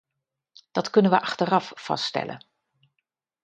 Dat kunnen we achteraf vaststellen.